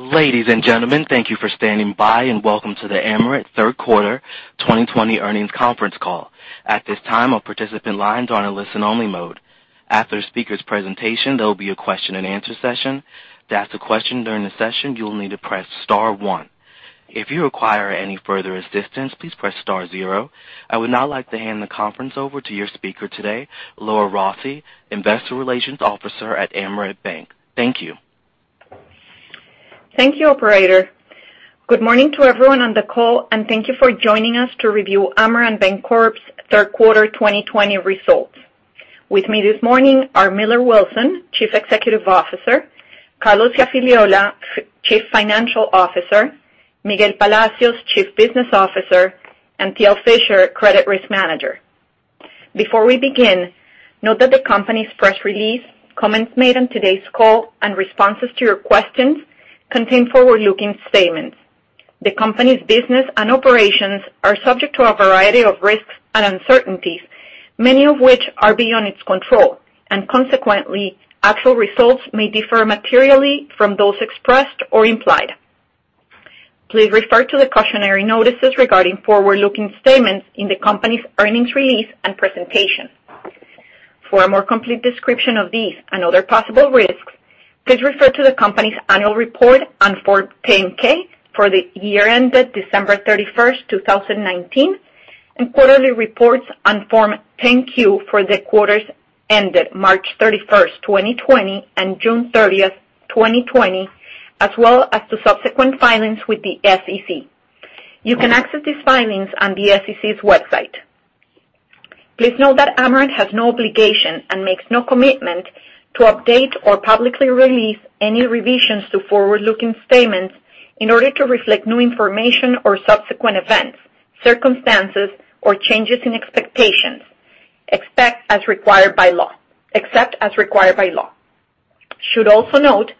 Ladies and gentlemen, thank you for standing by, and welcome to the Amerant third quarter 2020 earnings conference call. At this time, all participant lines are on a listen-only mode. After the speaker's presentation, there will be a question and answer session. To ask a question during the session, you will need to press star one. If you require any further assistance, please press star zero. I would now like to hand the conference over to your speaker today, Laura Rossi, Investor Relations Officer at Amerant Bank. Thank you. Thank you, operator. Good morning to everyone on the call, and thank you for joining us to review Amerant Bancorp's third quarter 2020 results. With me this morning are Millar Wilson, Chief Executive Officer, Carlos Iafigliola, Chief Financial Officer, Miguel Palacios, Chief Business Officer, and Thiel Fischer, Credit Risk Manager. Before we begin, note that the company's press release, comments made on today's call, and responses to your questions contain forward-looking statements. The company's business and operations are subject to a variety of risks and uncertainties, many of which are beyond its control. Consequently, actual results may differ materially from those expressed or implied. Please refer to the cautionary notices regarding forward-looking statements in the company's earnings release and presentation. For a more complete description of these and other possible risks, please refer to the company's annual report on Form 10-K for the year ended December 31st, 2019, and quarterly reports on Form 10-Q for the quarters ended March 31st, 2020, and June 30th, 2020, as well as to subsequent filings with the SEC. You can access these filings on the SEC's website. Please note that Amerant has no obligation and makes no commitment to update or publicly release any revisions to forward-looking statements in order to reflect new information or subsequent events, circumstances, or changes in expectations, except as required by law. Should also note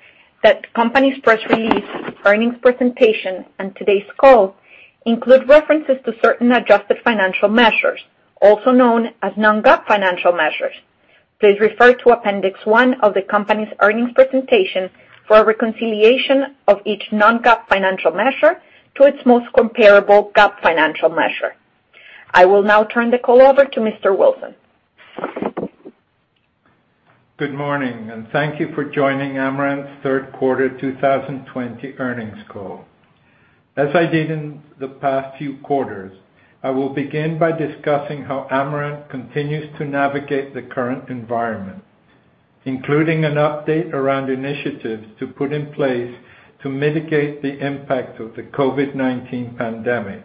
that the company's press release, earnings presentation, and today's call include references to certain adjusted financial measures, also known as non-GAAP financial measures. Please refer to appendix one of the company's earnings presentation for a reconciliation of each non-GAAP financial measure to its most comparable GAAP financial measure. I will now turn the call over to Mr. Wilson. Good morning, and thank you for joining Amerant's third quarter 2020 earnings call. As I did in the past few quarters, I will begin by discussing how Amerant continues to navigate the current environment, including an update around initiatives to put in place to mitigate the impact of the COVID-19 pandemic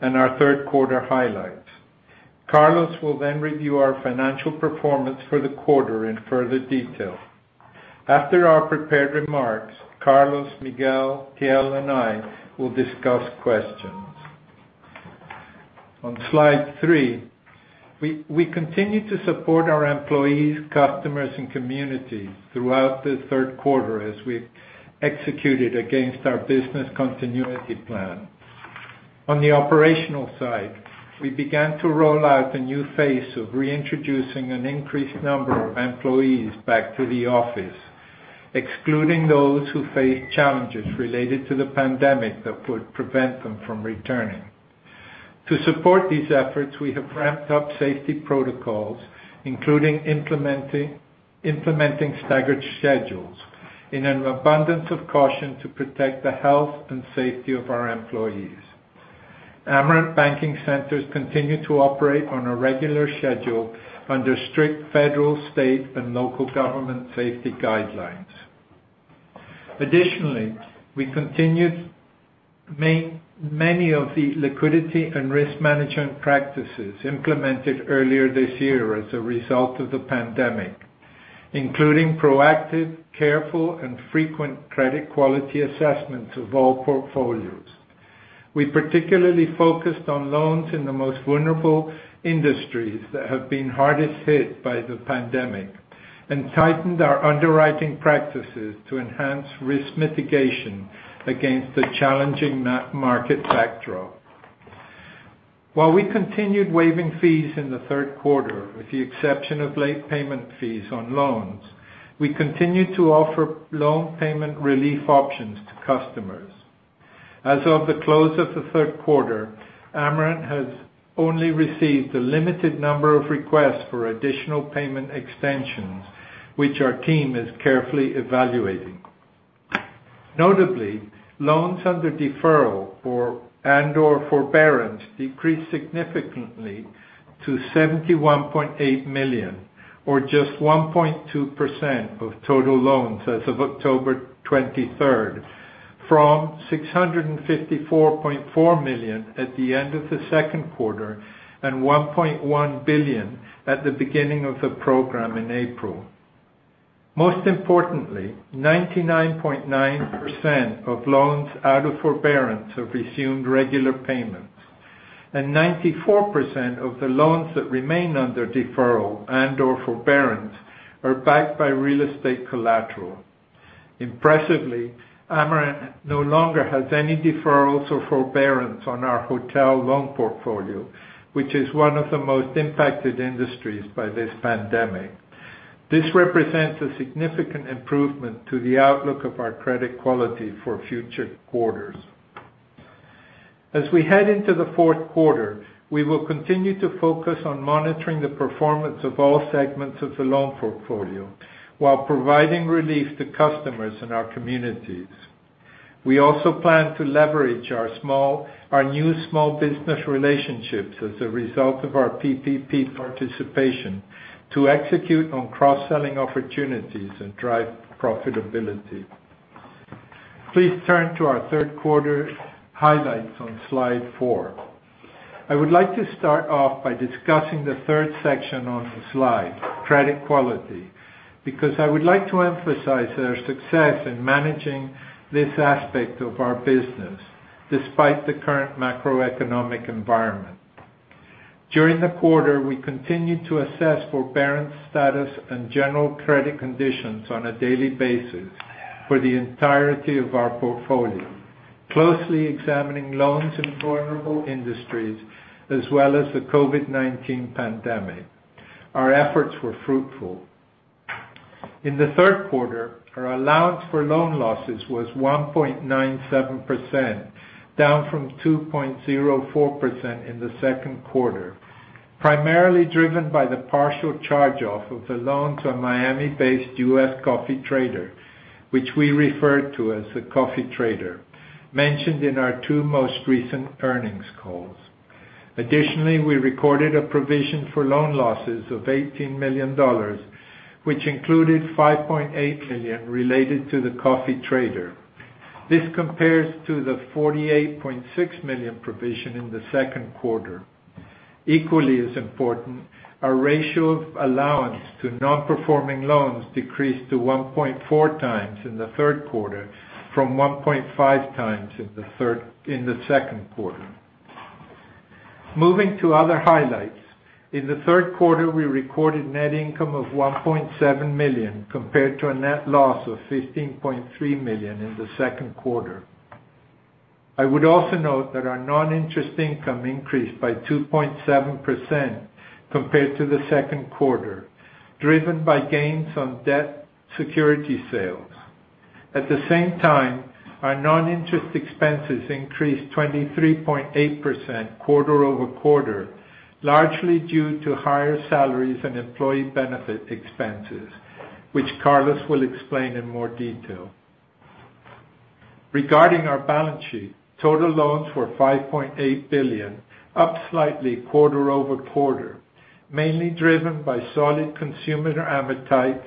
and our third quarter highlights. Carlos will then review our financial performance for the quarter in further detail. After our prepared remarks, Carlos, Miguel, T.L., and I will discuss questions. On slide three, we continue to support our employees, customers, and communities throughout the third quarter as we executed against our business continuity plan. On the operational side, we began to roll out a new phase of reintroducing an increased number of employees back to the office, excluding those who face challenges related to the pandemic that would prevent them from returning. To support these efforts, we have ramped up safety protocols, including implementing staggered schedules in an abundance of caution to protect the health and safety of our employees. Amerant Banking Centers continue to operate on a regular schedule under strict federal, state, and local government safety guidelines. Additionally, we continued many of the liquidity and risk management practices implemented earlier this year as a result of the pandemic, including proactive, careful, and frequent credit quality assessments of all portfolios. We particularly focused on loans in the most vulnerable industries that have been hardest hit by the pandemic and tightened our underwriting practices to enhance risk mitigation against the challenging market backdrop. While we continued waiving fees in the third quarter, with the exception of late payment fees on loans, we continued to offer loan payment relief options to customers. As of the close of the third quarter, Amerant has only received a limited number of requests for additional payment extensions, which our team is carefully evaluating. Notably, loans under deferral and/or forbearance decreased significantly to $71.8 million, or just one point two percent of total loans as of October 23rd, from $654.4 million at the end of the second quarter and $1.1 billion at the beginning of the program in April. Most importantly, 99.9% of loans out of forbearance have resumed regular payments, and 94% of the loans that remain under deferral and/or forbearance are backed by real estate collateral. Impressively, Amerant no longer has any deferrals or forbearance on our hotel loan portfolio, which is one of the most impacted industries by this pandemic. This represents a significant improvement to the outlook of our credit quality for future quarters. As we head into the fourth quarter, we will continue to focus on monitoring the performance of all segments of the loan portfolio while providing relief to customers in our communities. We also plan to leverage our new small business relationships as a result of our PPP participation to execute on cross-selling opportunities and drive profitability. Please turn to our third quarter highlights on slide four. I would like to start off by discussing the third section on the slide, credit quality, because I would like to emphasize our success in managing this aspect of our business, despite the current macroeconomic environment. During the quarter, we continued to assess forbearance status and general credit conditions on a daily basis for the entirety of our portfolio, closely examining loans in vulnerable industries, as well as the COVID-19 pandemic. Our efforts were fruitful. In the third quarter, our allowance for loan losses was one point nine seven percent, down from two point zero four percent in the second quarter, primarily driven by the partial charge-off of the loans on Miami-based U.S. coffee trader, which we refer to as the coffee trader, mentioned in our two most recent earnings calls. Additionally, we recorded a provision for loan losses of $18 million, which included $5.8 million related to the coffee trader. This compares to the $48.6 million provision in the second quarter. Equally as important, our ratio of allowance to non-performing loans decreased to one point four times in the third quarter from one point five times in the second quarter. Moving to other highlights. In the third quarter, we recorded net income of $1.7 million compared to a net loss of $15.3 million in the second quarter. I would also note that our non-interest income increased by two point seven percent compared to the second quarter, driven by gains on debt security sales. Our non-interest expenses increased 23.8% quarter-over-quarter, largely due to higher salaries and employee benefit expenses, which Carlos will explain in more detail. Regarding our balance sheet, total loans were $5.8 billion, up slightly quarter-over-quarter, mainly driven by solid consumer appetite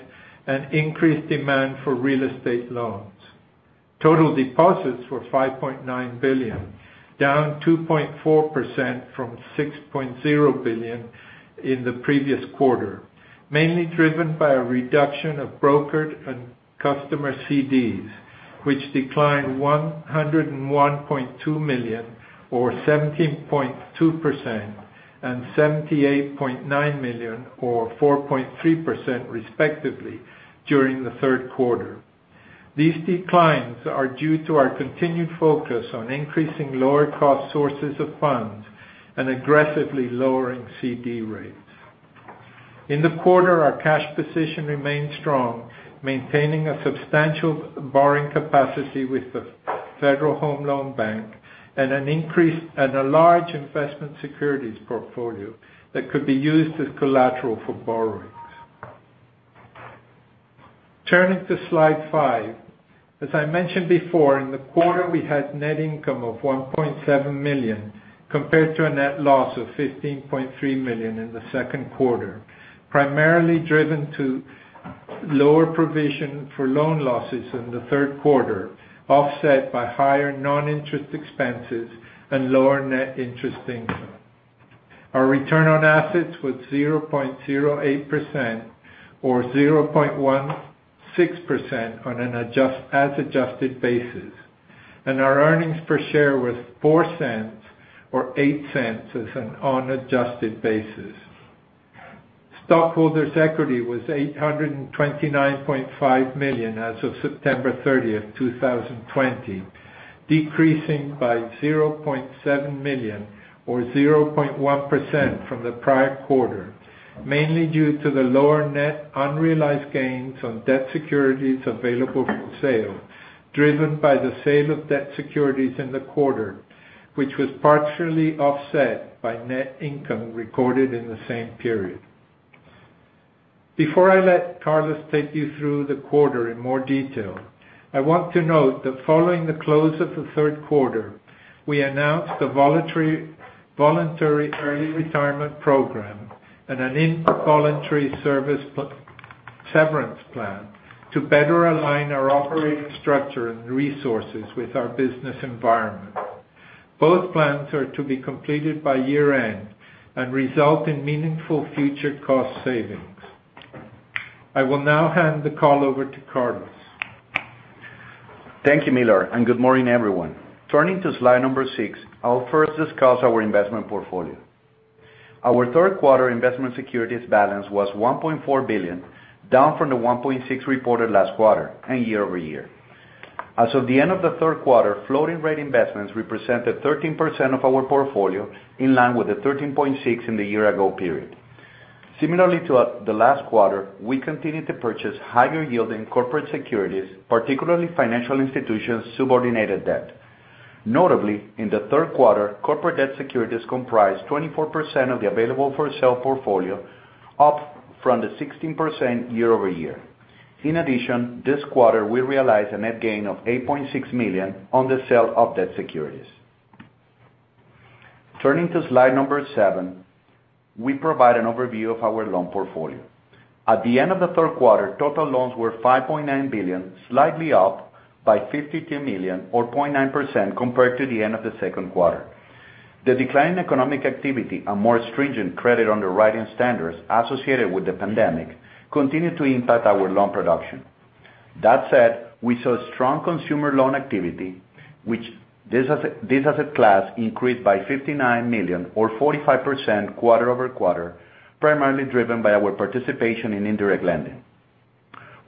and increased demand for real estate loans. Total deposits were $5.9 billion, down two point four percent from $6.0 billion in the previous quarter, mainly driven by a reduction of brokered and customer CDs, which declined $101.2 million or 17.2%, and $78.9 million or four point three percent, respectively, during the third quarter. These declines are due to our continued focus on increasing lower cost sources of funds and aggressively lowering CD rates. In the quarter, our cash position remained strong, maintaining a substantial borrowing capacity with the Federal Home Loan Bank and a large investment securities portfolio that could be used as collateral for borrowings. Turning to slide five. As I mentioned before, in the quarter we had net income of $1.7 million compared to a net loss of $15.3 million in the second quarter, primarily driven to lower provision for loan losses in the third quarter, offset by higher non-interest expenses and lower net interest income. Our return on assets was zero point zero eight percent or zero point one six percent on an as adjusted basis, and our earnings per share was $0.04 or $0.08 as an unadjusted basis. Stockholders' equity was $829.5 million as of September 30th, 2020, decreasing by $0.7 million or zero point one percent from the prior quarter, mainly due to the lower net unrealized gains on debt securities available for sale, driven by the sale of debt securities in the quarter, which was partially offset by net income recorded in the same period. Before I let Carlos take you through the quarter in more detail, I want to note that following the close of the third quarter, we announced a voluntary early retirement program and an involuntary severance plan to better align our operating structure and resources with our business environment. Both plans are to be completed by year-end and result in meaningful future cost savings. I will now hand the call over to Carlos. Thank you, Millar, good morning, everyone. Turning to slide number six, I'll first discuss our investment portfolio. Our third quarter investment securities balance was $1.4 billion, down from the $1.6 reported last quarter and year-over-year. As of the end of the third quarter, floating rate investments represented 13% of our portfolio, in line with the 13.6 in the year-ago period. Similarly to the last quarter, we continued to purchase higher-yielding corporate securities, particularly financial institutions' subordinated debt. Notably, in the third quarter, corporate debt securities comprised 24% of the available-for-sale portfolio, up from the 16% year-over-year. In addition, this quarter, we realized a net gain of $8.6 million on the sale of debt securities. Turning to slide number seven, we provide an overview of our loan portfolio. At the end of the third quarter, total loans were $5.9 billion, slightly up by $52 million, or point nine percent, compared to the end of the second quarter. The decline in economic activity and more stringent credit underwriting standards associated with the pandemic continued to impact our loan production. That said, we saw strong consumer loan activity, which this asset class increased by $59 million or 45% quarter-over-quarter, primarily driven by our participation in indirect lending.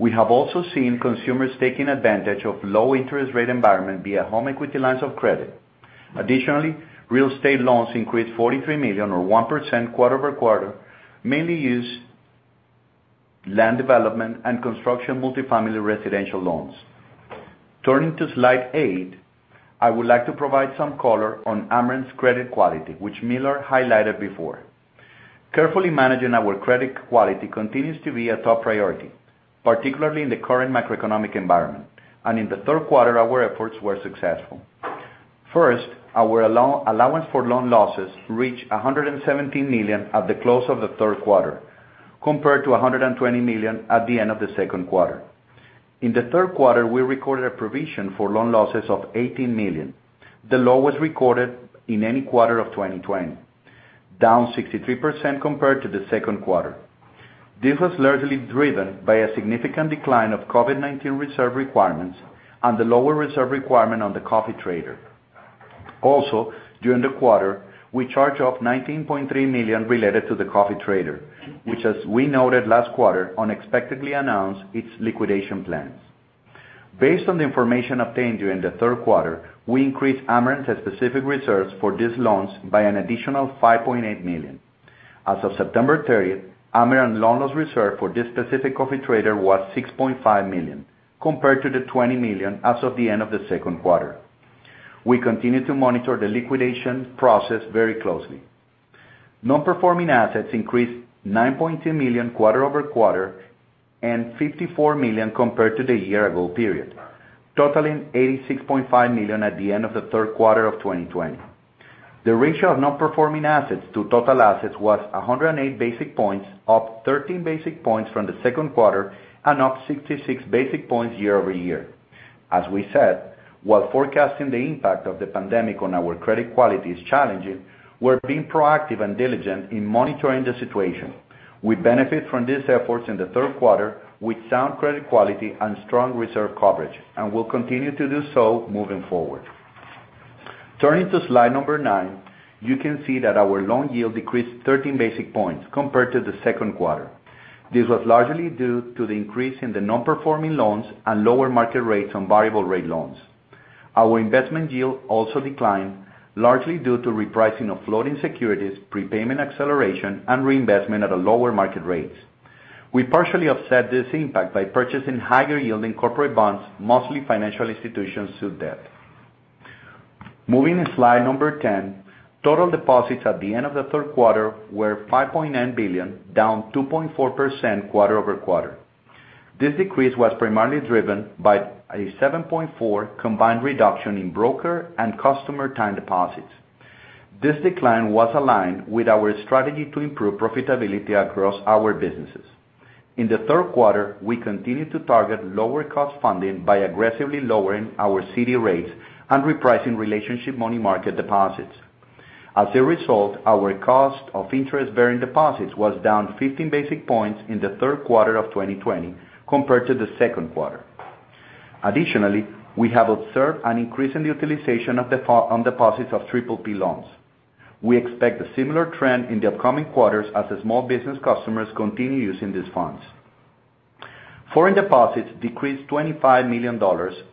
We have also seen consumers taking advantage of low interest rate environment via home equity lines of credit. Additionally, real estate loans increased $43 million or one percent quarter-over-quarter, mainly land development and construction multifamily residential loans. Turning to slide eight, I would like to provide some color on Amerant's credit quality, which Millar highlighted before. Carefully managing our credit quality continues to be a top priority, particularly in the current macroeconomic environment. In the third quarter, our efforts were successful. First, our allowance for loan losses reached $117 million at the close of the third quarter, compared to $120 million at the end of the second quarter. In the third quarter, we recorded a provision for loan losses of $18 million. The lowest was recorded in any quarter of 2020, down 63% compared to the second quarter. This was largely driven by a significant decline of COVID-19 reserve requirements and the lower reserve requirement on the coffee trader. During the quarter, we charged off $19.3 million related to the coffee trader, which, as we noted last quarter, unexpectedly announced its liquidation plans. Based on the information obtained during the third quarter, we increased Amerant-specific reserves for these loans by an additional $5.8 million. As of September 30th, Amerant loan loss reserve for this specific coffee trader was $6.5 million, compared to the $20 million as of the end of the second quarter. We continue to monitor the liquidation process very closely. Non-performing assets increased $9.2 million quarter-over-quarter and $54 million compared to the year-ago period, totaling $86.5 million at the end of the third quarter of 2020. The ratio of non-performing assets to total assets was 108 basis points, up 13 basis points from the second quarter, and up 66 basis points year-over-year. As we said, while forecasting the impact of the pandemic on our credit quality is challenging, we're being proactive and diligent in monitoring the situation. We benefit from these efforts in the third quarter with sound credit quality and strong reserve coverage, and will continue to do so moving forward. Turning to slide number nine, you can see that our loan yield decreased 13 basis points compared to the second quarter. This was largely due to the increase in the non-performing loans and lower market rates on variable rate loans. Our investment yield also declined, largely due to repricing of floating securities, prepayment acceleration, and reinvestment at lower market rates. We partially offset this impact by purchasing higher-yielding corporate bonds, mostly financial institutions debt. Moving to slide number 10, total deposits at the end of the third quarter were $5.9 billion, down two point four percent quarter-over-quarter. This decrease was primarily driven by a seven point four percent combined reduction in broker and customer time deposits. This decline was aligned with our strategy to improve profitability across our businesses. In the third quarter, we continued to target lower cost funding by aggressively lowering our CD rates and repricing relationship money market deposits. As a result, our cost of interest-bearing deposits was down 50 basis points in the third quarter of 2020 compared to the second quarter. Additionally, we have observed an increase in the utilization on deposits of PPP loans. We expect a similar trend in the upcoming quarters as the small business customers continue using these funds. Foreign deposits decreased $25 million,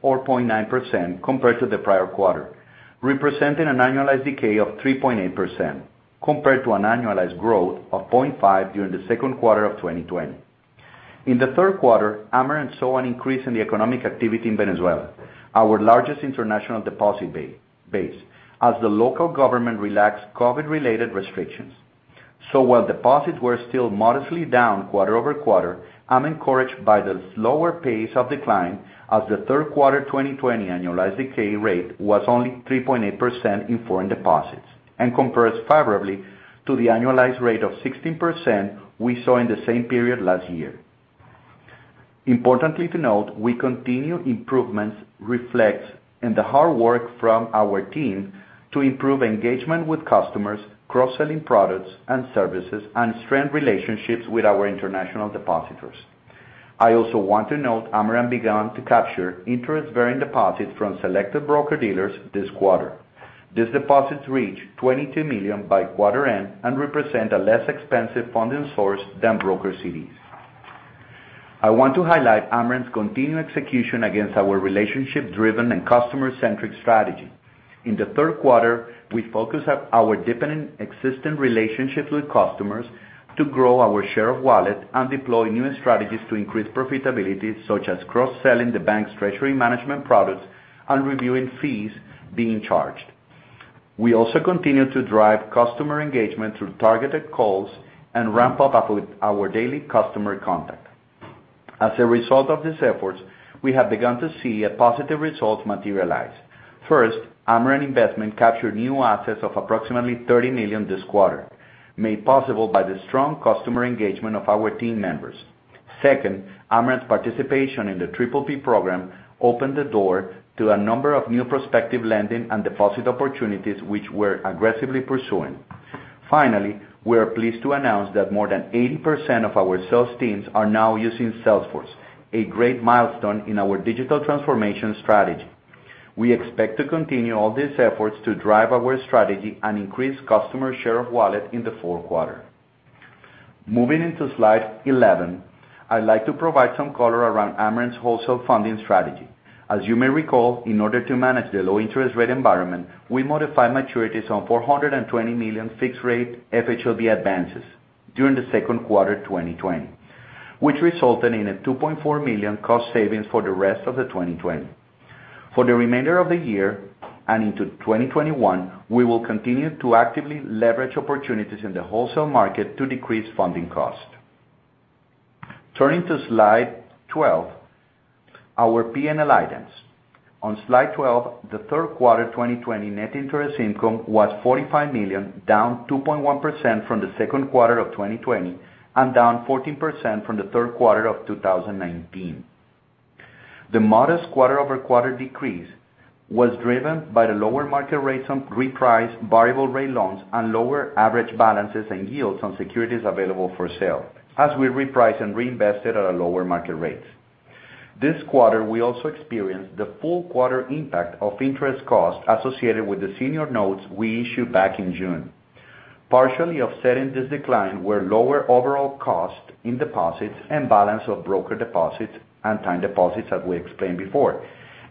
or point nine percent, compared to the prior quarter, representing an annualized decay of three point eight percent, compared to an annualized growth of point five during the second quarter of 2020. In the third quarter, Amerant saw an increase in the economic activity in Venezuela, our largest international deposit base, as the local government relaxed COVID-19-related restrictions. While deposits were still modestly down quarter-over-quarter, I'm encouraged by the slower pace of decline as the third quarter 2020 annualized decay rate was only three point eight percent in foreign deposits and compares favorably to the annualized rate of 16% we saw in the same period last year. Importantly to note, we continue improvements reflects in the hard work from our team to improve engagement with customers, cross-selling products and services, and strengthen relationships with our international depositors. I also want to note Amerant began to capture interest-bearing deposits from selected broker-dealers this quarter. These deposits reached $22 million by quarter end and represent a less expensive funding source than broker CDs. I want to highlight Amerant's continued execution against our relationship-driven and customer-centric strategy. In the third quarter, we focused our deepening existing relationships with customers to grow our share of wallet and deploy new strategies to increase profitability, such as cross-selling the bank's treasury management products and reviewing fees being charged. We also continue to drive customer engagement through targeted calls and ramp up our daily customer contact. As a result of these efforts, we have begun to see positive results materialize. First, Amerant Investments captured new assets of approximately $30 million this quarter, made possible by the strong customer engagement of our team members. Second, Amerant's participation in the PPP program opened the door to a number of new prospective lending and deposit opportunities, which we're aggressively pursuing. Finally, we are pleased to announce that more than 80% of our sales teams are now using Salesforce, a great milestone in our digital transformation strategy. We expect to continue all these efforts to drive our strategy and increase customer share of wallet in the fourth quarter. Moving into slide 11, I'd like to provide some color around Amerant's wholesale funding strategy. As you may recall, in order to manage the low interest rate environment, we modified maturities on $420 million fixed-rate FHLB advances during the second quarter 2020, which resulted in a $2.4 million cost savings for the rest of 2020. For the remainder of the year and into 2021, we will continue to actively leverage opportunities in the wholesale market to decrease funding cost. Turning to slide 12, our P&L items. On slide 12, the third quarter 2020 net interest income was $45 million, down two point one percent from the second quarter of 2020 and down 14% from the third quarter of 2019. The modest quarter-over-quarter decrease was driven by the lower market rates on repriced variable rate loans and lower average balances and yields on securities available for sale, as we repriced and reinvested at a lower market rate. This quarter, we also experienced the full quarter impact of interest costs associated with the senior notes we issued back in June. Partially offsetting this decline were lower overall costs in deposits and balance of broker deposits and time deposits, as we explained before,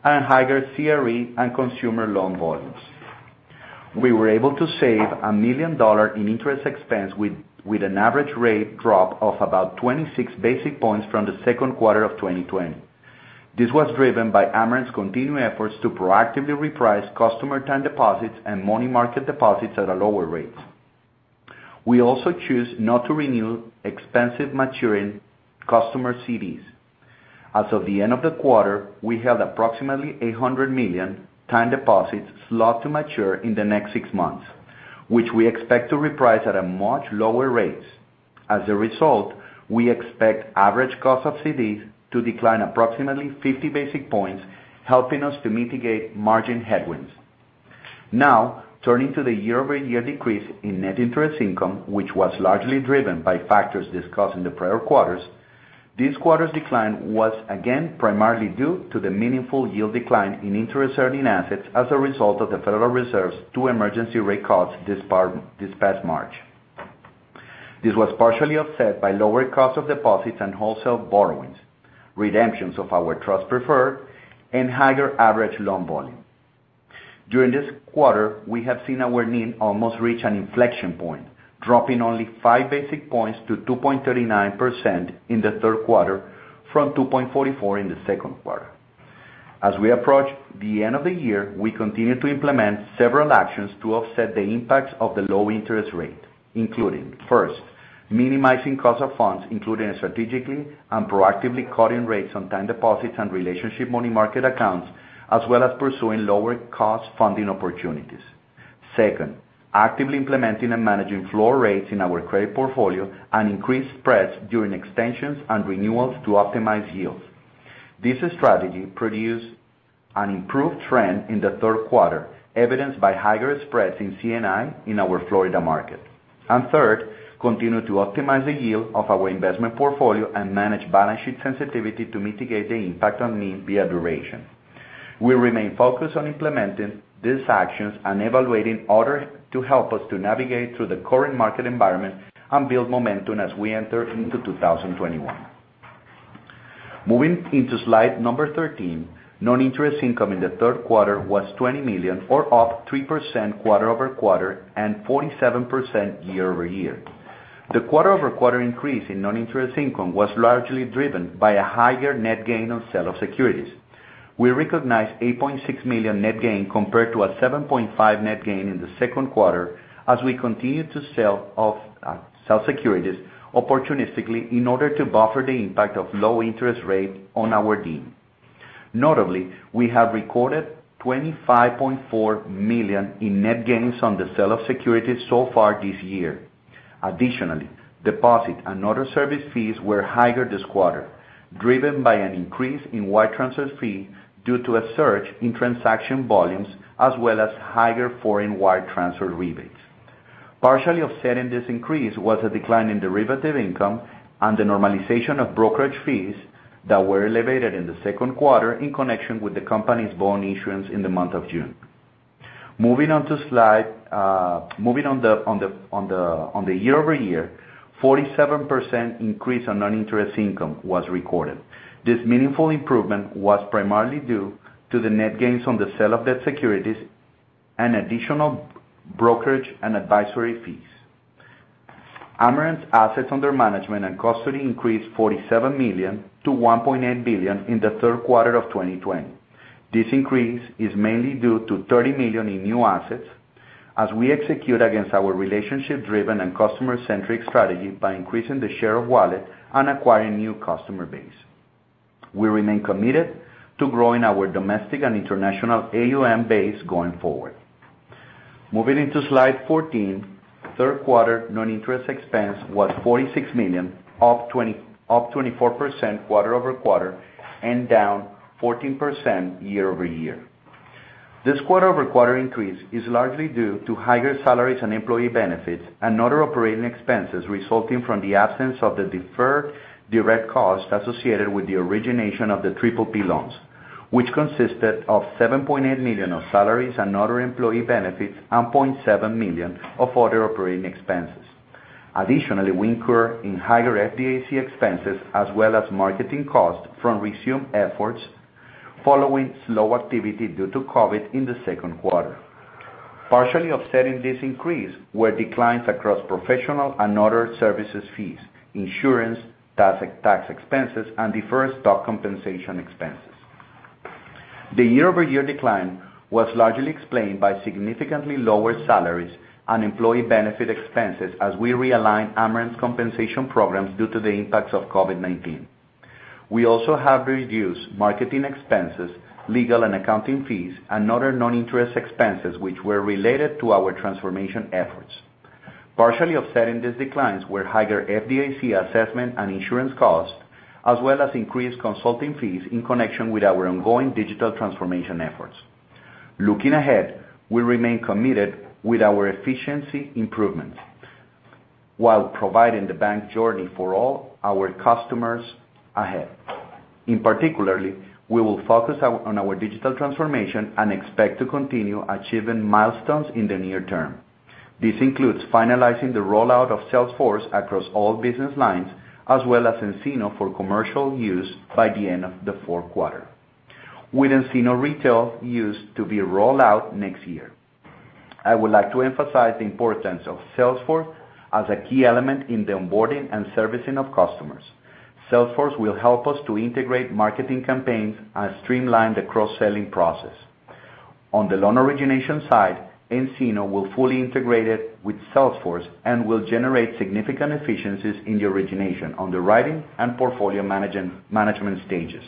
and higher CRE and consumer loan volumes. We were able to save $1 million in interest expense with an average rate drop of about 26 basis points from the second quarter of 2020. This was driven by Amerant's continued efforts to proactively reprice customer time deposits and money market deposits at a lower rate. We also choose not to renew expensive maturing customer CDs. As of the end of the quarter, we held approximately $800 million time deposits slot to mature in the next six months, which we expect to reprice at a much lower rate. As a result, we expect average cost of CDs to decline approximately 50 basis points, helping us to mitigate margin headwinds. Turning to the year-over-year decrease in net interest income, which was largely driven by factors discussed in the prior quarters, this quarter's decline was again primarily due to the meaningful yield decline in interest-earning assets as a result of the Federal Reserve's two emergency rate cuts this past March. This was partially offset by lower cost of deposits and wholesale borrowings, redemptions of our trust preferred, and higher average loan volume. During this quarter, we have seen our NIM almost reach an inflection point, dropping only five basis points to two point three nine percent in the third quarter from two point forty four in the second quarter. As we approach the end of the year, we continue to implement several actions to offset the impacts of the low interest rate, including first, minimizing cost of funds, including strategically and proactively cutting rates on time deposits and relationship money market accounts, as well as pursuing lower cost funding opportunities. Second, actively implementing and managing floor rates in our credit portfolio and increased spreads during extensions and renewals to optimize yields. This strategy produced an improved trend in the third quarter, evidenced by higher spreads in C&I in our Florida market. Third, continue to optimize the yield of our investment portfolio and manage balance sheet sensitivity to mitigate the impact on NIM via duration. We remain focused on implementing these actions and evaluating order to help us to navigate through the current market environment and build momentum as we enter into 2021. Moving into slide number 13, non-interest income in the third quarter was $20 million, or up three percent quarter-over-quarter and 47% year-over-year. The quarter-over-quarter increase in non-interest income was largely driven by a higher net gain on sale of securities. We recognized $8.6 million net gain compared to a $7.5 net gain in the second quarter as we continue to sell securities opportunistically in order to buffer the impact of low interest rates on our NIM. Notably, we have recorded $25.4 million in net gains on the sale of securities so far this year. Deposit and other service fees were higher this quarter, driven by an increase in wire transfer fee due to a surge in transaction volumes, as well as higher foreign wire transfer rebates. Partially offsetting this increase was a decline in derivative income and the normalization of brokerage fees that were elevated in the second quarter in connection with the company's bond issuance in the month of June. Moving on the year-over-year, 47% increase on non-interest income was recorded. This meaningful improvement was primarily due to the net gains on the sale of debt securities and additional brokerage and advisory fees. Amerant's assets under management and custody increased $47 million to $1.8 billion in the third quarter of 2020. This increase is mainly due to $30 million in new assets as we execute against our relationship-driven and customer-centric strategy by increasing the share of wallet and acquiring new customer base. We remain committed to growing our domestic and international AUM base going forward. Moving into slide 14, third quarter non-interest expense was $46 million, up 24% quarter-over-quarter, and down 14% year-over-year. This quarter-over-quarter increase is largely due to higher salaries and employee benefits and other operating expenses resulting from the absence of the deferred direct costs associated with the origination of the PPP loans, which consisted of $7.8 million of salaries and other employee benefits and $0.7 million of other operating expenses. Additionally, we incur in higher FDIC expenses as well as marketing costs from resume efforts following slow activity due to COVID in the second quarter. Partially offsetting this increase were declines across professional and other services fees, insurance, tax expenses, and deferred stock compensation expenses. The year-over-year decline was largely explained by significantly lower salaries and employee benefit expenses as we realigned Amerant's compensation programs due to the impacts of COVID-19. We also have reduced marketing expenses, legal and accounting fees, and other non-interest expenses, which were related to our transformation efforts. Partially offsetting these declines were higher FDIC assessment and insurance costs, as well as increased consulting fees in connection with our ongoing digital transformation efforts. Looking ahead, we remain committed with our efficiency improvements while providing the bank journey for all our customers ahead. In particular, we will focus on our digital transformation and expect to continue achieving milestones in the near term. This includes finalizing the rollout of Salesforce across all business lines, as well as nCino for commercial use by the end of the fourth quarter, with nCino retail use to be rolled out next year. I would like to emphasize the importance of Salesforce as a key element in the onboarding and servicing of customers. Salesforce will help us to integrate marketing campaigns and streamline the cross-selling process. On the loan origination side, nCino will fully integrate it with Salesforce and will generate significant efficiencies in the origination, underwriting, and portfolio management stages.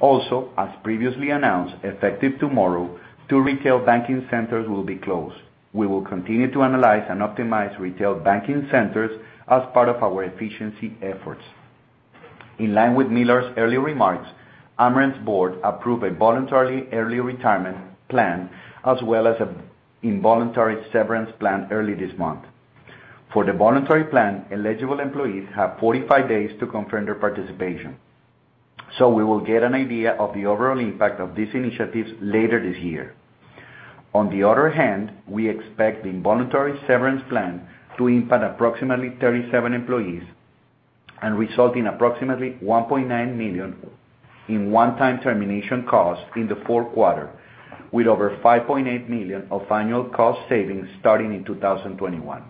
Also, as previously announced, effective tomorrow, two retail banking centers will be closed. We will continue to analyze and optimize retail banking centers as part of our efficiency efforts. In line with Millar's earlier remarks, Amerant's board approved a voluntary early retirement plan, as well as an involuntary severance plan early this month. For the voluntary plan, eligible employees have 45 days to confirm their participation. We will get an idea of the overall impact of these initiatives later this year. On the other hand, we expect the involuntary severance plan to impact approximately 37 employees and result in approximately $1.9 million in one-time termination costs in the fourth quarter, with over $5.8 million of annual cost savings starting in 2021.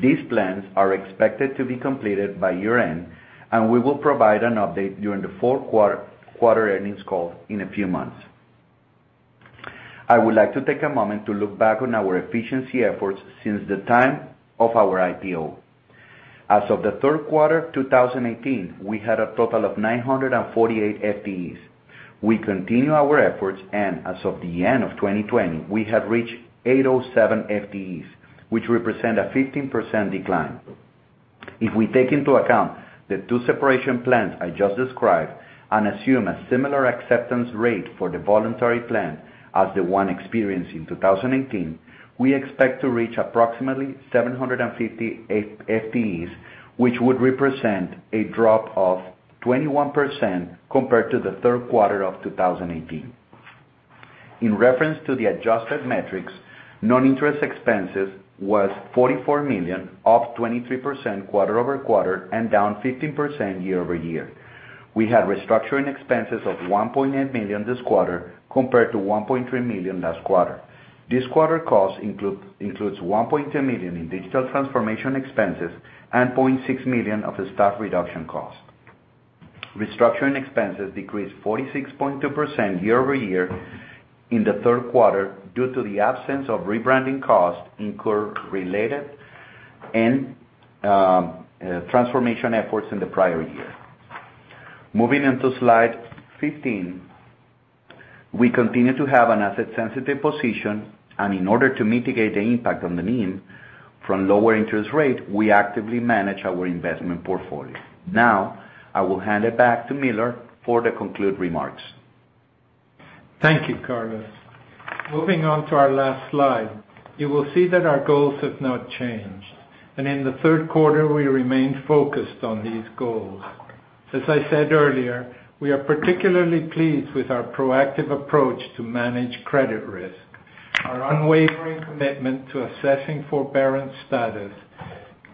These plans are expected to be completed by year-end, and we will provide an update during the fourth quarter earnings call in a few months. I would like to take a moment to look back on our efficiency efforts since the time of our IPO. As of the third quarter 2018, we had a total of 948 FTEs. We continue our efforts, and as of the end of 2020, we had reached 807 FTEs, which represent a 15% decline. If we take into account the two separation plans I just described and assume a similar acceptance rate for the voluntary plan as the one experienced in 2018, we expect to reach approximately 750 FTEs, which would represent a drop of 21% compared to the third quarter of 2018. In reference to the adjusted metrics, non-interest expense was $44 million, up 23% quarter-over-quarter, and down 15% year-over-year. We had restructuring expenses of $1.8 million this quarter, compared to $1.3 million last quarter. This quarter cost includes $1.2 million in digital transformation expenses and $0.6 million of the staff reduction cost. Restructuring expenses decreased 46.2% year-over-year in the third quarter due to the absence of rebranding costs incurred related to transformation efforts in the prior year. Moving into slide 15, we continue to have an asset-sensitive position, and in order to mitigate the impact on the NIM from lower interest rate, we actively manage our investment portfolio. Now, I will hand it back to Millar for the concluding remarks. Thank you, Carlos. Moving on to our last slide. You will see that our goals have not changed, and in the third quarter, we remained focused on these goals. As I said earlier, we are particularly pleased with our proactive approach to manage credit risk. Our unwavering commitment to assessing forbearance status,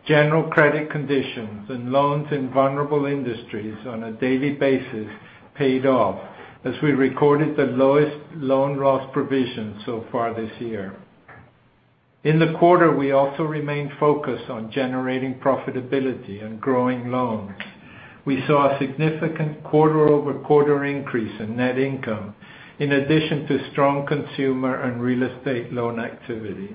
general credit conditions, and loans in vulnerable industries on a daily basis paid off as we recorded the lowest loan loss provision so far this year. In the quarter, we also remained focused on generating profitability and growing loans. We saw a significant quarter-over-quarter increase in net income in addition to strong consumer and real estate loan activity.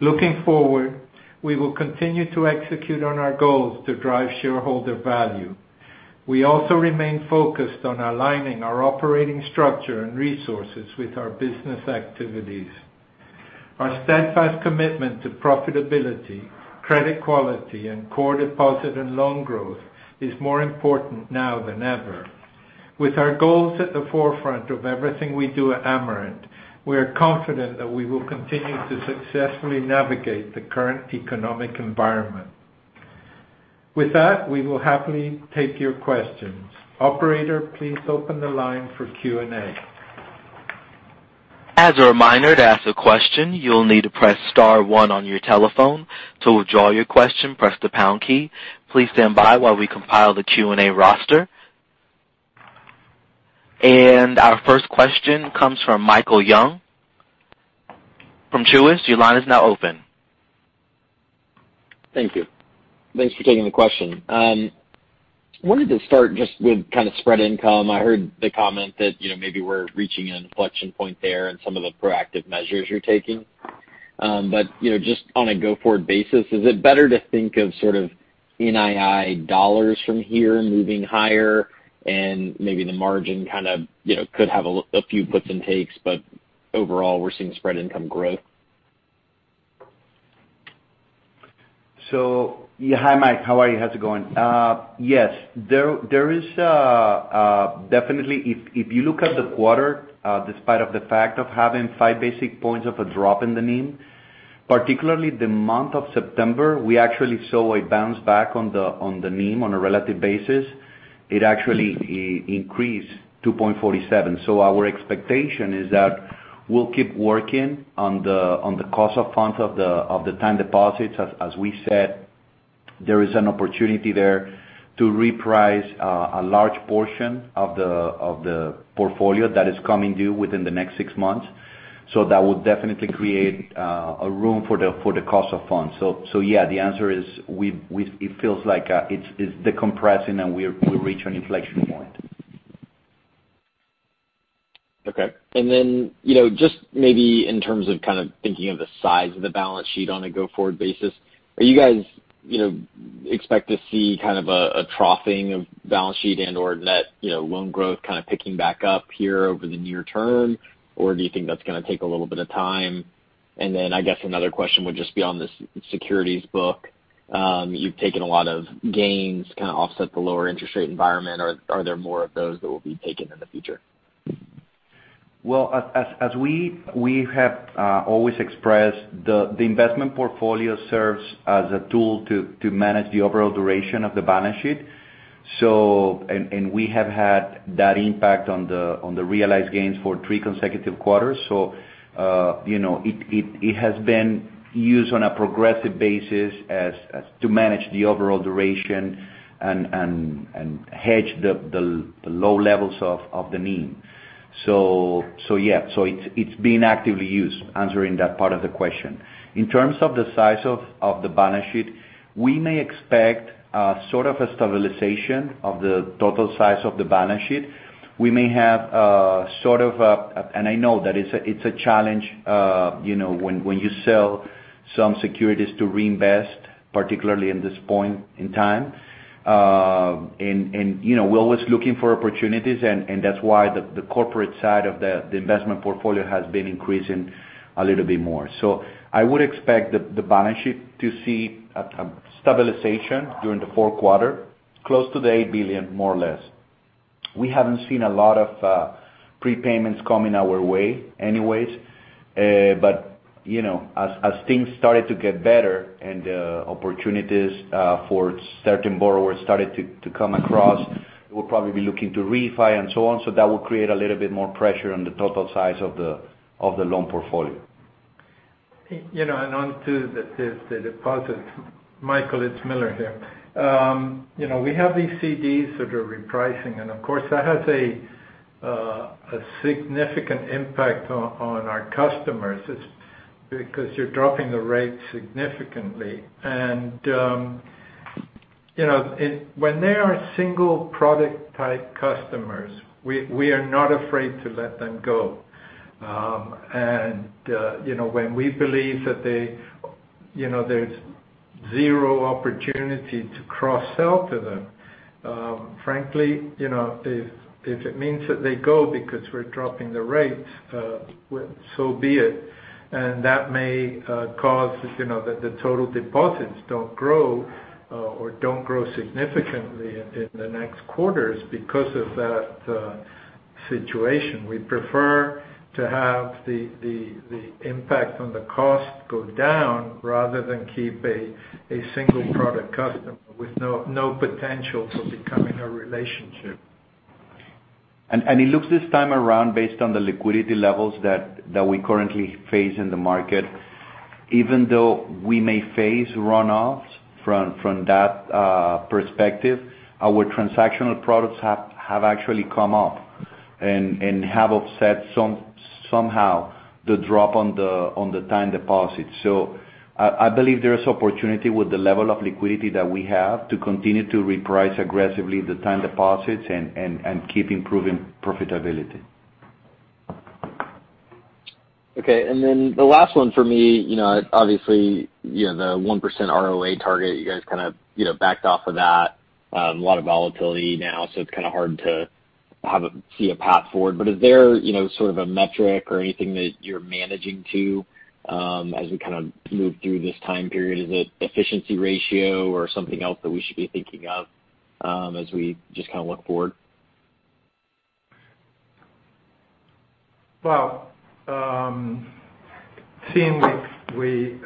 Looking forward, we will continue to execute on our goals to drive shareholder value. We also remain focused on aligning our operating structure and resources with our business activities. Our steadfast commitment to profitability, credit quality, and core deposit and loan growth is more important now than ever. With our goals at the forefront of everything we do at Amerant, we are confident that we will continue to successfully navigate the current economic environment. With that, we will happily take your questions. Operator, please open the line for Q&A. Our first question comes from Michael Young from Truist. Your line is now open. Thank you. Thanks for taking the question. Wanted to start just with spread income. I heard the comment that maybe we're reaching an inflection point there and some of the proactive measures you're taking. On a go-forward basis, is it better to think of NII dollars from here moving higher and maybe the margin could have a few puts and takes, but overall, we're seeing spread income growth? Hi Mike. How are you? How's it going? Yes, definitely, if you look at the quarter, despite of the fact of having five basis points of a drop in the NIM, particularly the month of September, we actually saw a bounce back on the NIM on a relative basis. It actually increased 2.47. Our expectation is that we'll keep working on the cost of funds of the time deposits. As we said, there is an opportunity there to reprice a large portion of the portfolio that is coming due within the next six months. That will definitely create a room for the cost of funds. Yeah, the answer is, it feels like it's decompressing, and we reach an inflection point. Okay. Just maybe in terms of kind of thinking of the size of the balance sheet on a go-forward basis, are you guys expect to see a troughing of balance sheet and/or net loan growth kind of picking back up here over the near term, or do you think that's going to take a little bit of time? I guess another question would just be on the securities book. You've taken a lot of gains to kind of offset the lower interest rate environment. Are there more of those that will be taken in the future? As we have always expressed, the investment portfolio serves as a tool to manage the overall duration of the balance sheet. We have had that impact on the realized gains for three consecutive quarters. It has been used on a progressive basis to manage the overall duration and hedge the low levels of the NIM. It's being actively used, answering that part of the question. In terms of the size of the balance sheet, we may expect a sort of a stabilization of the total size of the balance sheet. I know that it's a challenge when you sell some securities to reinvest, particularly at this point in time. We're always looking for opportunities, and that's why the corporate side of the investment portfolio has been increasing a little bit more. I would expect the balance sheet to see a stabilization during the fourth quarter, close to the $8 billion, more or less. We haven't seen a lot of prepayments coming our way anyways. As things started to get better and opportunities for certain borrowers started to come across, we'll probably be looking to refi and so on. That will create a little bit more pressure on the total size of the loan portfolio. On to the deposits. Michael, it's Millar here. We have these CDs that are repricing, and of course, that has a significant impact on our customers. It's because you're dropping the rate significantly. When they are single product type customers, we are not afraid to let them go. When we believe that there's zero opportunity to cross-sell to them, frankly, if it means that they go because we're dropping the rates, so be it. That may cause the total deposits don't grow or don't grow significantly in the next quarters because of that situation. We prefer to have the impact on the cost go down rather than keep a single product customer with no potential for becoming a relationship. It looks this time around, based on the liquidity levels that we currently face in the market, even though we may face run-offs from that perspective, our transactional products have actually come up and have offset somehow the drop on the time deposits. I believe there is opportunity with the level of liquidity that we have to continue to reprice aggressively the time deposits and keep improving profitability. Okay, the last one for me, obviously, the one percent ROA target, you guys kind of backed off of that. A lot of volatility now. It's kind of hard to see a path forward. Is there sort of a metric or anything that you're managing to as we move through this time period? Is it efficiency ratio or something else that we should be thinking of as we just kind of look forward? Well, seeing we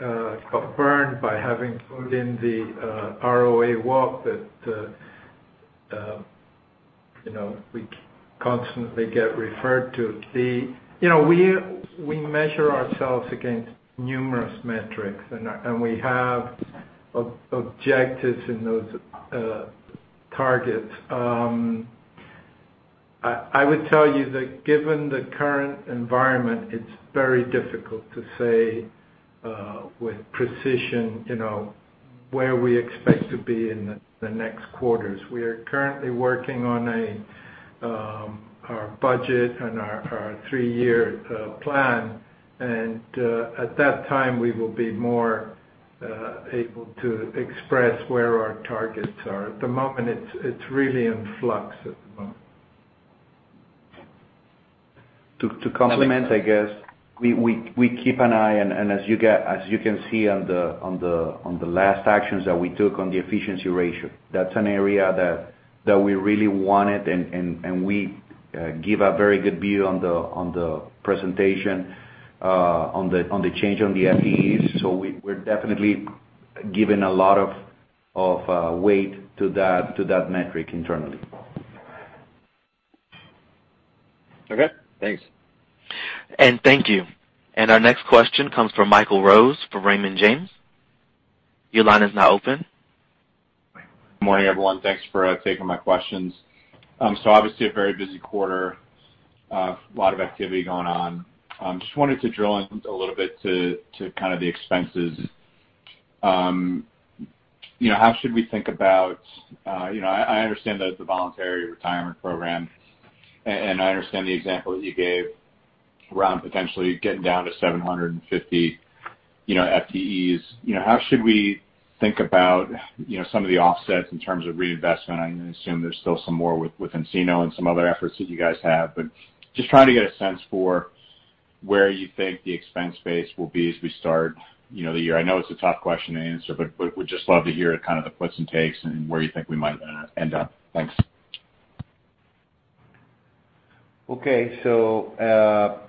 got burned by having put in the ROA walk that we constantly get referred to. We measure ourselves against numerous metrics, and we have objectives in those targets. I would tell you that given the current environment, it's very difficult to say with precision where we expect to be in the next quarters. We are currently working on our budget and our three-year plan, and at that time, we will be more able to express where our targets are. At the moment, it's really in flux at the moment. To complement, I guess. We keep an eye, as you can see on the last actions that we took on the efficiency ratio. That's an area that we really wanted, we give a very good view on the presentation on the change on the FTEs. We're definitely giving a lot of weight to that metric internally. Okay, thanks. Thank you. Our next question comes from Michael Rose for Raymond James. Your line is now open. Morning, everyone. Thanks for taking my questions. Obviously a very busy quarter. A lot of activity going on. Just wanted to drill in a little bit to kind of the expenses. How should we think about. I understand the voluntary retirement program, and I understand the example that you gave around potentially getting down to 750 FTEs. How should we think about some of the offsets in terms of reinvestment? I assume there's still some more with nCino and some other efforts that you guys have. Just trying to get a sense for where you think the expense base will be as we start the year. I know it's a tough question to answer, but would just love to hear kind of the puts and takes and where you think we might end up. Thanks. Okay. And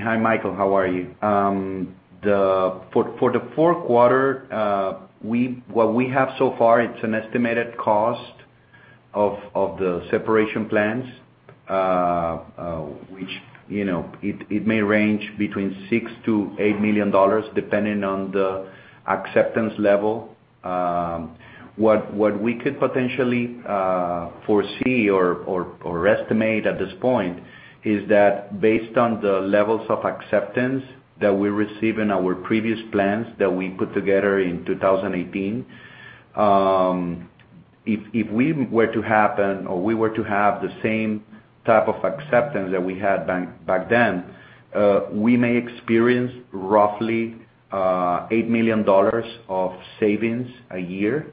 hi, Michael, how are you? For the fourth quarter, what we have so far, it's an estimated cost of the separation plans, which it may range between $6 million to $8 million, depending on the acceptance level. What we could potentially foresee or estimate at this point is that based on the levels of acceptance that we receive in our previous plans that we put together in 2018, if we were to happen, or we were to have the same type of acceptance that we had back then, we may experience roughly $8 million of savings a year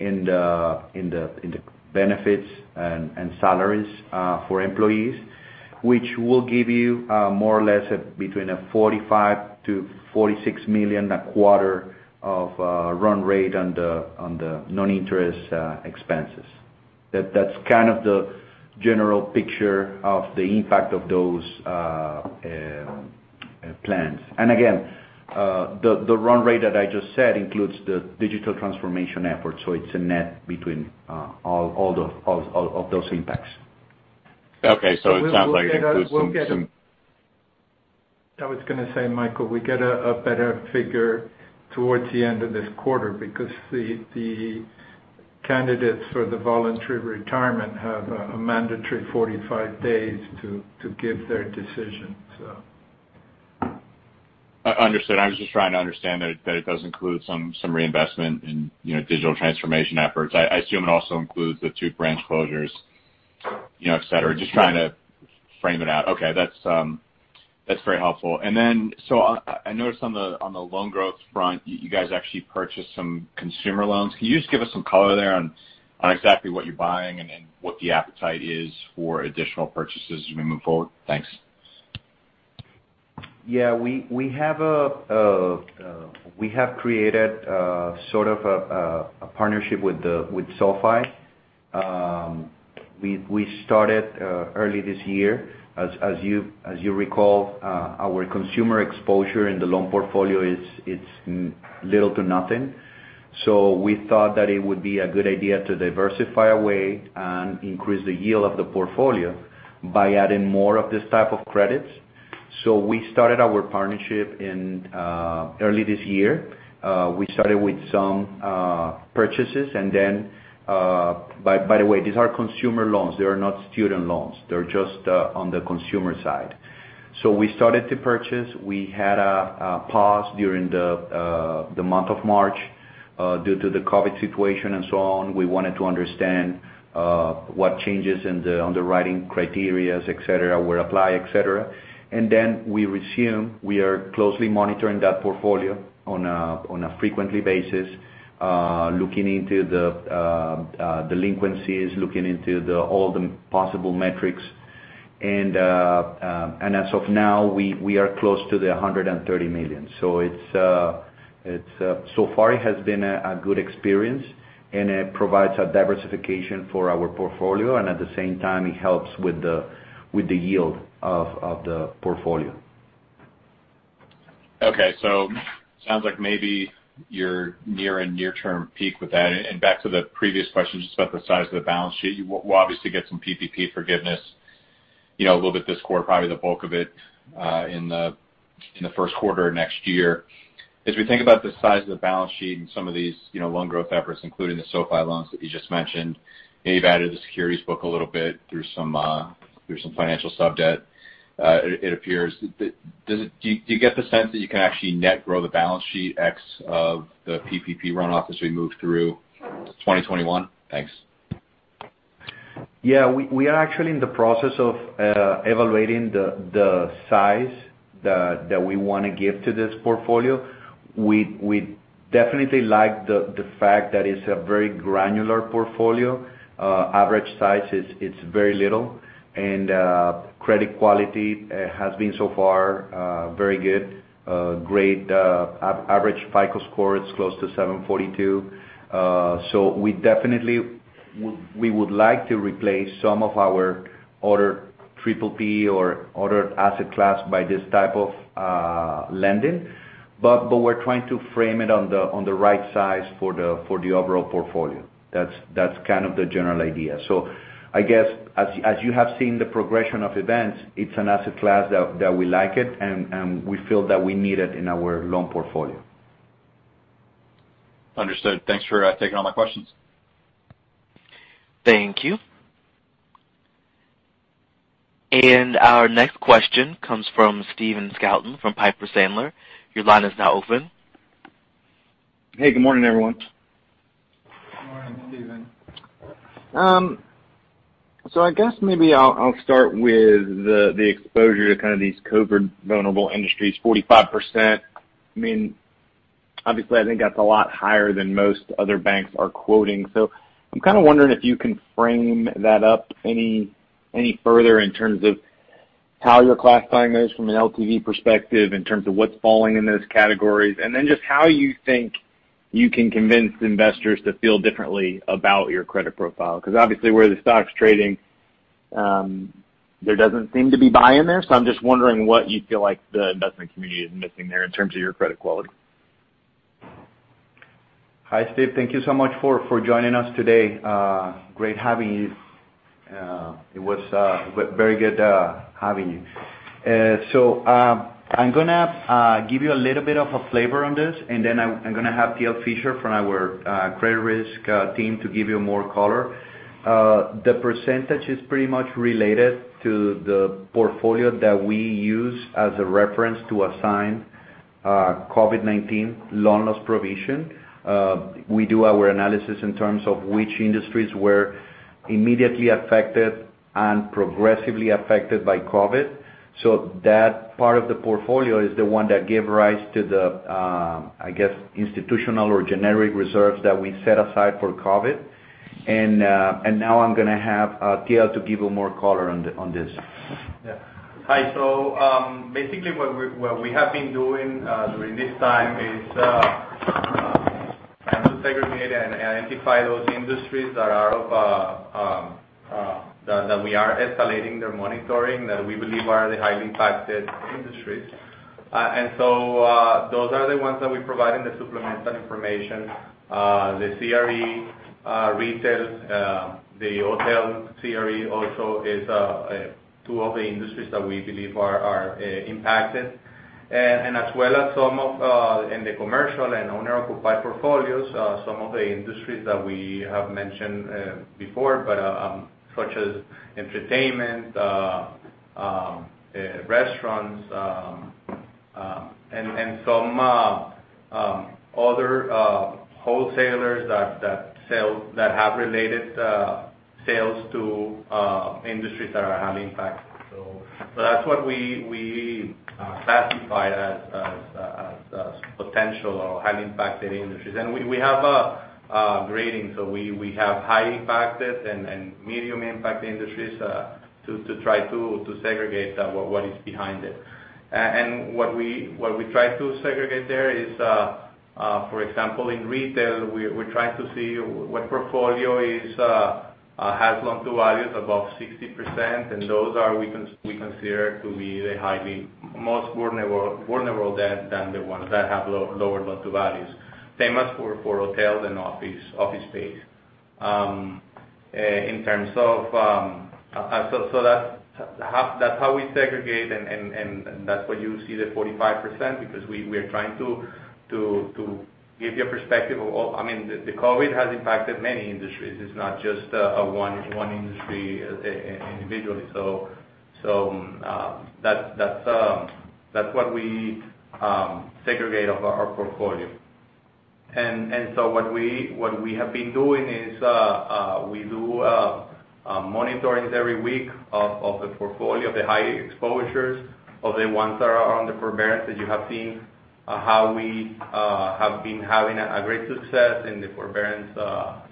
in the benefits and salaries for employees, which will give you more or less between a $45 million to $46 million a quarter of run rate on the non-interest expenses. That's kind of the general picture of the impact of those plans. Again, the run rate that I just said includes the digital transformation effort. It's a net between all of those impacts. Okay. It sounds like it includes. I was going to say, Michael, we get a better figure towards the end of this quarter because the candidates for the voluntary retirement have a mandatory 45 days to give their decision. Understood. I was just trying to understand that it does include some reinvestment in digital transformation efforts. I assume it also includes the two branch closures, et cetera. Just trying to frame it out. Okay. That's very helpful. I noticed on the loan growth front, you guys actually purchased some consumer loans. Can you just give us some color there on exactly what you're buying and what the appetite is for additional purchases as we move forward? Thanks. Yeah. We have created a partnership with SoFi. We started early this year. As you recall, our consumer exposure in the loan portfolio is little to nothing. We thought that it would be a good idea to diversify away and increase the yield of the portfolio by adding more of this type of credits. We started our partnership early this year. We started with some purchases. By the way, these are consumer loans. They are not student loans. They're just on the consumer side. We started to purchase. We had a pause during the month of March due to the COVID situation and so on. We wanted to understand what changes in the underwriting criteria, et cetera, were applied, et cetera. We resumed. We are closely monitoring that portfolio on a frequent basis, looking into the delinquencies, looking into all the possible metrics. As of now, we are close to the $130 million. So far, it has been a good experience, and it provides a diversification for our portfolio. At the same time, it helps with the yield of the portfolio. Okay. Sounds like maybe you're near a near-term peak with that. Back to the previous question, just about the size of the balance sheet. We'll obviously get some PPP forgiveness a little bit this quarter, probably the bulk of it in the first quarter of next year. As we think about the size of the balance sheet and some of these loan growth efforts, including the SoFi loans that you just mentioned, and you've added the securities book a little bit through some financial sub-debt it appears. Do you get the sense that you can actually net grow the balance sheet ex of the PPP runoff as we move through 2021? Thanks. Yeah. We are actually in the process of evaluating the size that we want to give to this portfolio. We definitely like the fact that it's a very granular portfolio. Average size, it's very little. Credit quality has been so far very good. Great average FICO score. It's close to 742. We definitely would like to replace some of our other PPP or other asset class by this type of lending. We're trying to frame it on the right size for the overall portfolio. That's kind of the general idea. I guess as you have seen the progression of events, it's an asset class that we like it, and we feel that we need it in our loan portfolio. Understood. Thanks for taking all my questions. Thank you. Our next question comes from Stephen Scouten from Piper Sandler. Hey, good morning, everyone. Good morning, Stephen. I guess maybe I'll start with the exposure to kind of these COVID-19 vulnerable industries, 45%. I mean, obviously, I think that's a lot higher than most other banks are quoting. I'm kind of wondering if you can frame that up any further in terms of how you're classifying those from an LTV perspective, in terms of what's falling in those categories, and then just how you think you can convince investors to feel differently about your credit profile. Obviously where the stock's trading, there doesn't seem to be buy in there. I'm just wondering what you feel like the investment community is missing there in terms of your credit quality. Hi, Steve. Thank you so much for joining us today. Great having you. It was very good having you. I'm gonna give you a little bit of a flavor on this, and then I'm gonna have Thiel Fischer from our credit risk team to give you more color. The percentage is pretty much related to the portfolio that we use as a reference to assign COVID-19 loan loss provision. We do our analysis in terms of which industries were immediately affected and progressively affected by COVID. That part of the portfolio is the one that gave rise to the, I guess, institutional or generic reserves that we set aside for COVID. Now I'm gonna have Thiel to give you more color on this. Yeah. Hi. Basically what we have been doing during this time is trying to segregate and identify those industries that we are escalating their monitoring, that we believe are the highly impacted industries. Those are the ones that we provide in the supplemental information. The CRE retail, the hotel CRE also is two of the industries that we believe are impacted. As well as some of in the commercial and owner-occupied portfolios some of the industries that we have mentioned before, such as entertainment, restaurants and some other wholesalers that have related sales to industries that are highly impacted. That's what we classified as potential or high impacted industries. We have a grading, we have high impacted and medium impact industries to try to segregate what is behind it. What we try to segregate there is, for example, in retail, we're trying to see what portfolio has loan-to-values above 60%, and those we consider to be the most vulnerable than the ones that have lower loan-to-values. Same as for hotels and office space. That's how we segregate, and that's why you see the 45%, because we are trying to give you a perspective. The COVID has impacted many industries. It's not just one industry individually. That's what we segregate of our portfolio. What we have been doing is, we do monitorings every week of the portfolio, of the high exposures, of the ones that are on the forbearance that you have seen, how we have been having a great success in the forbearance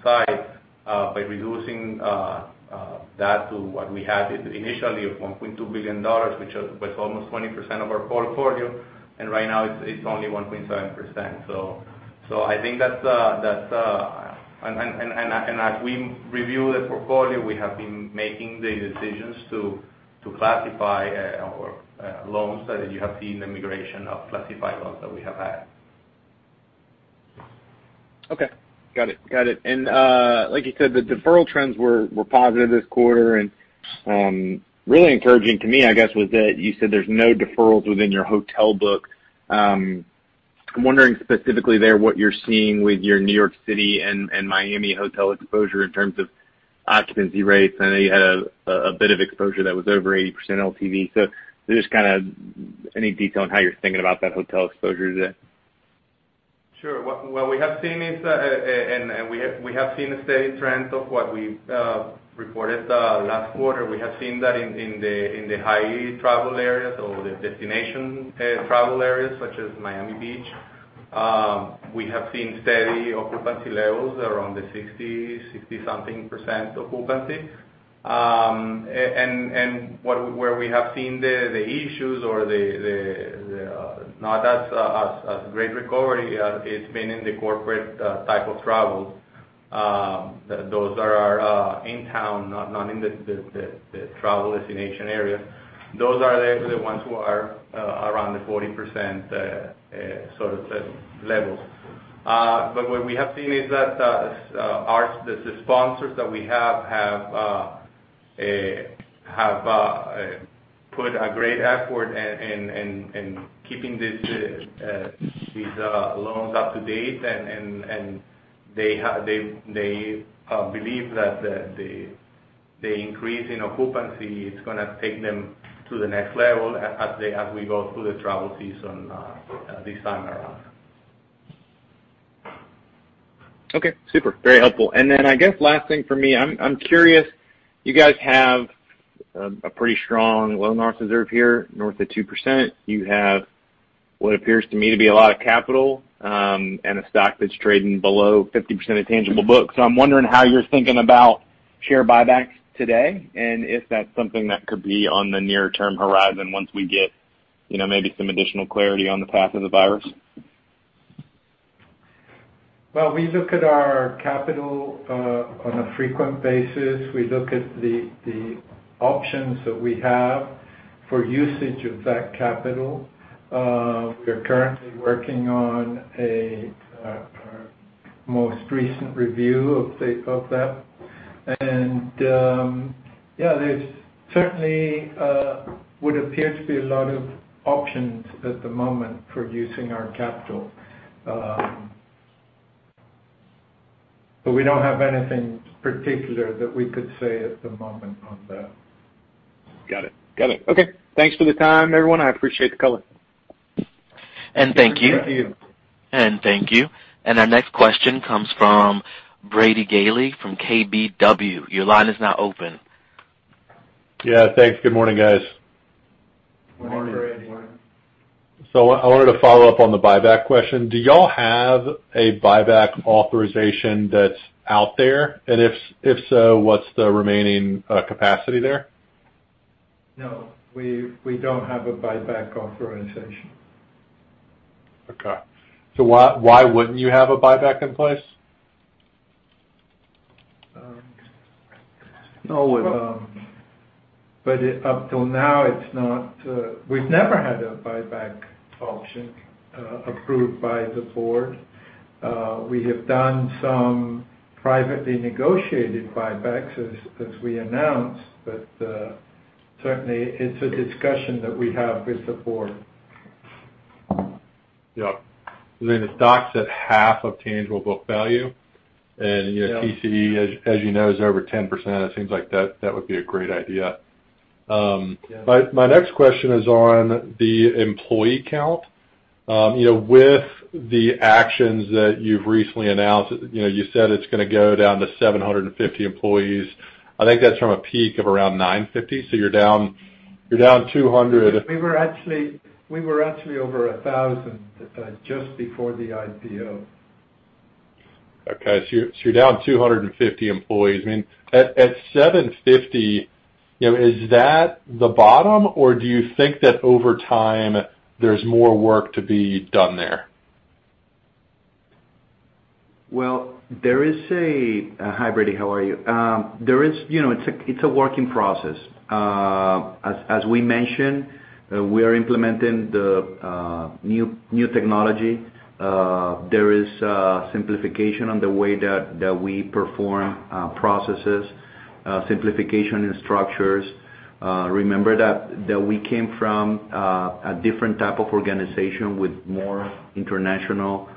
side by reducing that to what we had initially of $1.2 billion, which was almost 20% of our portfolio. Right now, it's only one point seven percent. As we review the portfolio, we have been making the decisions to classify our loans, so you have seen the migration of classified loans that we have had. Okay. Got it. Like you said, the deferral trends were positive this quarter, really encouraging to me, I guess, was that you said there's no deferrals within your hotel book. I'm wondering specifically there what you're seeing with your New York City and Miami hotel exposure in terms of occupancy rates. I know you had a bit of exposure that was over 80% LTV. Just kind of any detail on how you're thinking about that hotel exposure today. Sure. What we have seen is a steady trend of what we reported last quarter. We have seen that in the high travel areas or the destination travel areas, such as Miami Beach. We have seen steady occupancy levels around the 60-something percent occupancy. Where we have seen the issues or not as great recovery, it's been in the corporate type of travel. Those are in town, not in the travel destination area. Those are the ones who are around the 40% sort of levels. What we have seen is that the sponsors that we have put a great effort in keeping these loans up to date, and they believe that the increase in occupancy is going to take them to the next level as we go through the travel season this time around. Okay. Super. Very helpful. I guess last thing from me, I'm curious. You guys have a pretty strong loan loss reserve here, north of two percent. You have what appears to me to be a lot of capital, and a stock that's trading below 50% of tangible books. I'm wondering how you're thinking about share buybacks today, and if that's something that could be on the near-term horizon once we get maybe some additional clarity on the path of the virus. Well, we look at our capital on a frequent basis. We look at the options that we have for usage of that capital. We are currently working on our most recent review of that. Yeah, there certainly would appear to be a lot of options at the moment for using our capital. We don't have anything particular that we could say at the moment on that. Got it. Okay. Thanks for the time, everyone. I appreciate the color. Thank you. Thank you. Our next question comes from Brady Gailey from KBW. Your line is now open. Yeah, thanks. Good morning, guys. I wanted to follow up on the buyback question. Do y'all have a buyback authorization that's out there? If so, what's the remaining capacity there? No, we don't have a buyback authorization. Okay. Why wouldn't you have a buyback in place? No. Up till now, we've never had a buyback option approved by the board. We have done some privately negotiated buybacks as we announced. Certainly, it's a discussion that we have with the board. Yeah. I mean, the stock's at half of tangible book value. Yeah TCE, as you know, is over 10%. It seems like that would be a great idea. My next question is on the employee count. With the actions that you've recently announced, you said it's going to go down to 750 employees. I think that's from a peak of around 950, so you're down 200. We were actually over 1,000 just before the IPO. Okay. You're down 250 employees. I mean, at 750, is that the bottom, or do you think that over time there's more work to be done there? Well, hi, Brady. How are you? It's a working process. As we mentioned, we are implementing the new technology. There is simplification on the way that we perform processes, simplification in structures. Remember that we came from a different type of organization with more international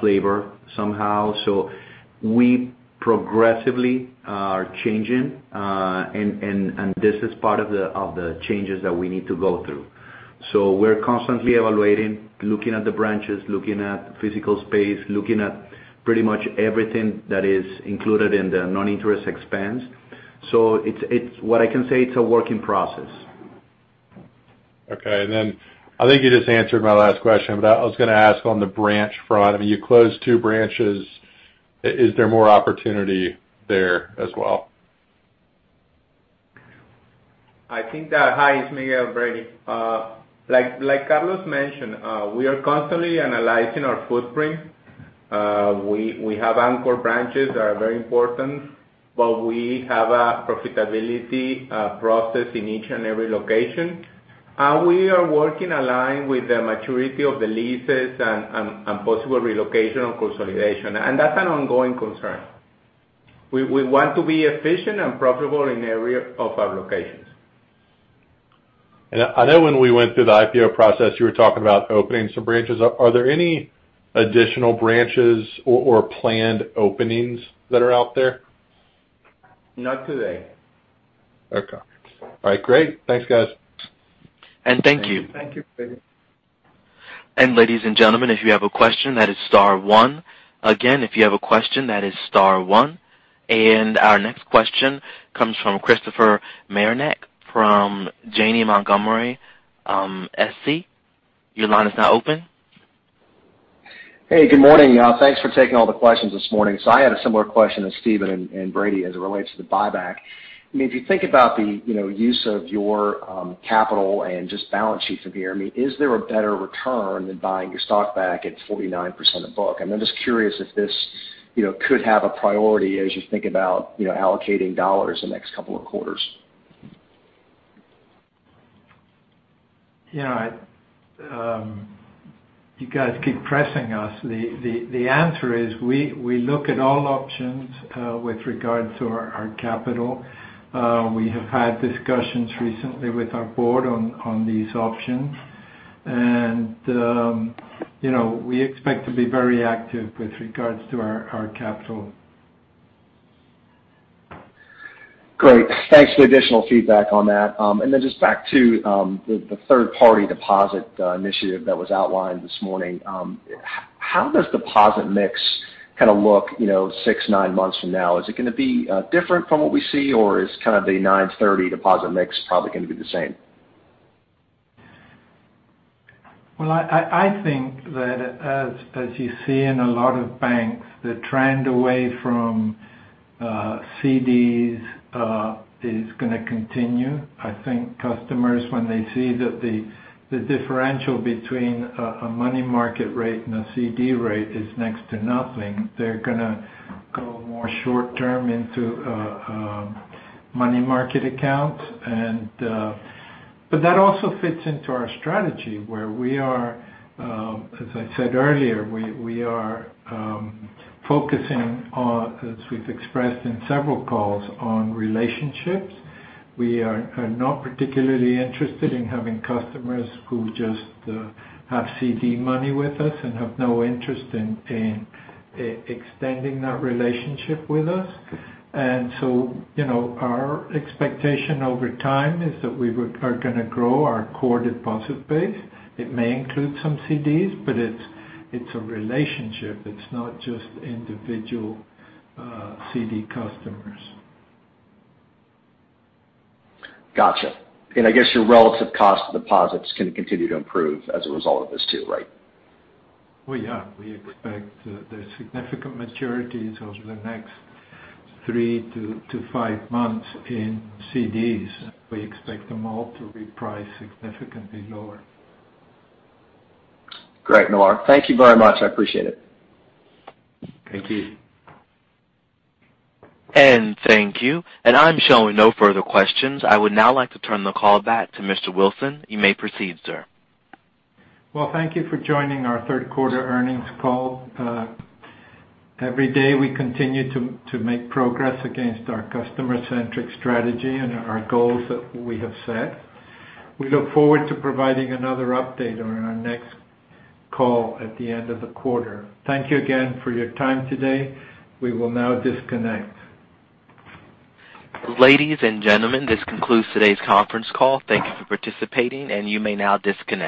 flavor somehow. We progressively are changing, and this is part of the changes that we need to go through. We're constantly evaluating, looking at the branches, looking at physical space, looking at pretty much everything that is included in the non-interest expense. What I can say, it's a work in process. Okay. I think you just answered my last question, but I was going to ask on the branch front. I mean, you closed two branches. Is there more opportunity there as well? Hi, it's Miguel, Brady. Like Carlos mentioned, we are constantly analyzing our footprint. We have anchor branches that are very important, but we have a profitability process in each and every location. We are working aligned with the maturity of the leases and possible relocation or consolidation, and that's an ongoing concern. We want to be efficient and profitable in every of our locations. I know when we went through the IPO process, you were talking about opening some branches. Are there any additional branches or planned openings that are out there? Not today. Okay. All right, great. Thanks, guys. Thank you, Brady. Our next question comes from Christopher Marinac from Janney Montgomery Scott. Hey, good morning. Thanks for taking all the questions this morning. I had a similar question as Stephen and Brady as it relates to the buyback. I mean, if you think about the use of your capital and just balance sheet severe, I mean, is there a better return than buying your stock back at 49% a book? I'm just curious if this could have a priority as you think about allocating dollars the next couple of quarters. You guys keep pressing us. The answer is, we look at all options with regards to our capital. We have had discussions recently with our board on these options. We expect to be very active with regards to our capital. Great. Thanks for the additional feedback on that. Just back to the third-party deposit initiative that was outlined this morning. How does deposit mix kind of look six, nine months from now? Is it going to be different from what we see, or is kind of the nine/30 deposit mix probably going to be the same? Well, I think that as you see in a lot of banks, the trend away from CDs is going to continue. I think customers, when they see that the differential between a money market rate and a CD rate is next to nothing, they're going to go more short-term into money market accounts. That also fits into our strategy where we are, as I said earlier, we are focusing on, as we've expressed in several calls, on relationships. We are not particularly interested in having customers who just have CD money with us and have no interest in extending that relationship with us. Our expectation over time is that we are going to grow our core deposit base. It may include some CDs, it's a relationship. It's not just individual CD customers. Got you. I guess your relative cost deposits can continue to improve as a result of this, too, right? Well, yeah. We expect the significant maturities over the next three to five months in CDs. We expect them all to reprice significantly lower. Great. Millar. Thank you very much. I appreciate it. Thank you. Thank you. I'm showing no further questions. I would now like to turn the call back to Mr. Wilson. You may proceed, sir. Well, thank you for joining our third quarter earnings call. Every day, we continue to make progress against our customer-centric strategy and our goals that we have set. We look forward to providing another update on our next call at the end of the quarter. Thank you again for your time today. We will now disconnect. Ladies and gentlemen, this concludes today's conference call. Thank you for participating, and you may now disconnect.